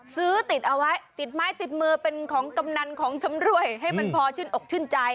ซื้อติดเอาไว้ติดไม้ติดมือเป็นของกำนันของชำรวยให้มันพอชื่นอกชื่นใจ